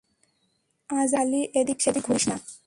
আজাইরা খালি এদিক-সেদিক ঘুরিস না!